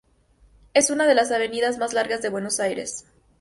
Es una de las avenidas más largas de Buenos Aires.